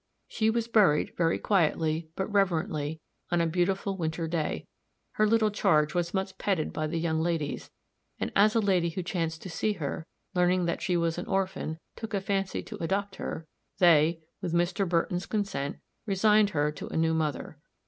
She was buried, very quietly, but reverently, on a beautiful winter day. Her little charge was much petted by the young ladies; and as a lady who chanced to see her, learning that she was an orphan, took a fancy to adopt her, they, with Mr. Burton's consent, resigned her to a new mother.